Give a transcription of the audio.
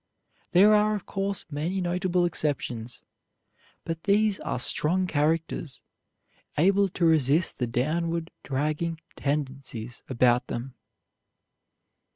There are, of course, many notable exceptions, but these are strong characters, able to resist the downward dragging tendencies about them.